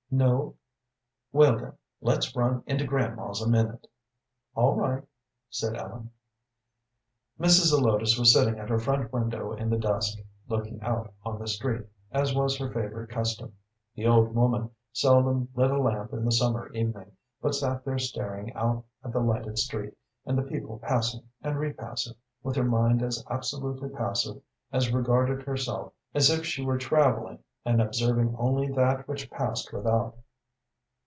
"No." "Well, then, let's run into grandma's a minute." "All right," said Ellen. Mrs. Zelotes was sitting at her front window in the dusk, looking out on the street, as was her favorite custom. The old woman seldom lit a lamp in the summer evening, but sat there staring out at the lighted street and the people passing and repassing, with her mind as absolutely passive as regarded herself as if she were travelling and observing only that which passed without.